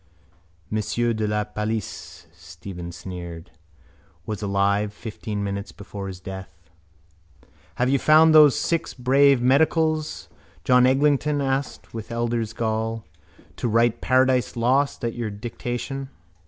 —Monsieur de la Palice, Stephen sneered, was alive fifteen minutes before his death. —Have you found those six brave medicals, John Eglinton asked with elder's gall, to write Paradise Lost at your dictation?